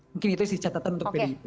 mungkin itu sih catatan untuk pdip